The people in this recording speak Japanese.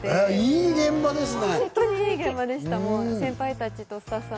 いい現場ですね。